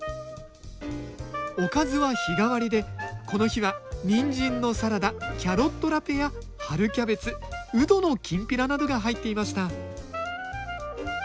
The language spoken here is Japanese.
おかずは日替わりでこの日はニンジンのサラダキャロットラぺや春キャベツウドのきんぴらなどが入っていました